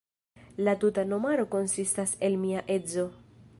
La tuta nomaro konsistas el mia edzo.